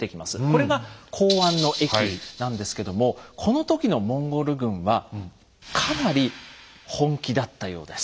これが弘安の役なんですけどもこの時のモンゴル軍はかなり本気だったようです。